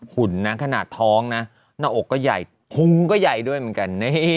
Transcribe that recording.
นะขนาดท้องนะหน้าอกก็ใหญ่คุ้งก็ใหญ่ด้วยเหมือนกัน